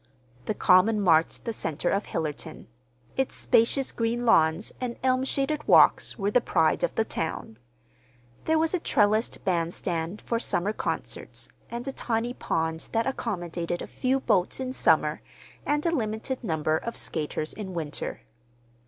The common marked the center of Hillerton. Its spacious green lawns and elm shaded walks were the pride of the town. There was a trellised band stand for summer concerts, and a tiny pond that accommodated a few boats in summer and a limited number of skaters in winter.